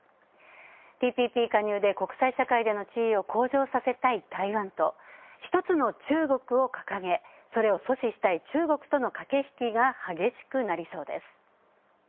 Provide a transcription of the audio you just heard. ＴＰＰ加入で国際社会での地位を向上させたい台湾と一つの中国を掲げ、それを阻止したい中国との駆け引きが激しくなりそうです。